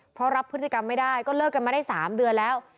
เพราะรับพฤติกรรมไม่ได้ก็เลิกกันมาได้๓เดือนแล้ว